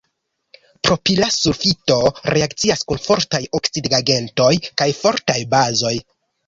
Propila sulfito reakcias kun fortaj oksidigagentoj kaj fortaj bazoj.